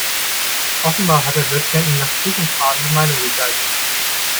Offenbar hat Herr Böttcher ihm nach Strich und Faden die Meinung gegeigt.